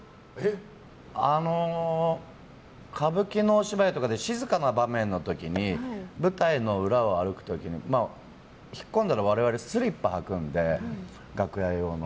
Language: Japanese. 歌舞伎のお芝居とかで静かな場面の時に舞台の裏を歩く時に引っ込んだら、我々はスリッパを履くので、楽屋用の。